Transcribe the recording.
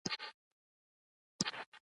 جانان ښامار خوړلی شین له خندا شینه.